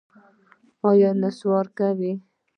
ایا نسوار کوئ؟